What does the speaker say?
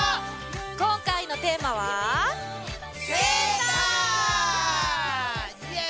今回のテーマはイエイ！